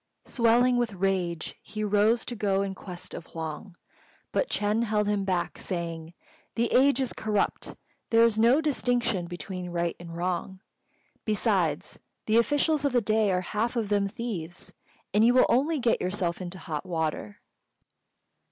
Swelling with rage, he rose to go in quest of Huang, but Ch'êng held him back, saying, "The age is corrupt: there is no distinction between right and wrong. Besides, the officials of the day are half of them thieves, and you will only get yourself into hot water."